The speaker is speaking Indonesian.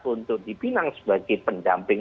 untuk dipinang sebagai pendamping